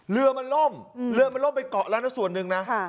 เรือมันล่มเรือมันล่มไปเกาะแล้วนะส่วนหนึ่งนะ